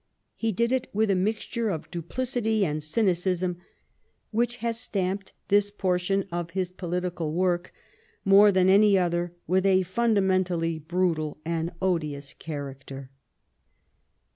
He did it with a mixture of duplicity and cynicism which has stamped this portion of his political work, more than any other, with a fundamental^ brutal and odious character.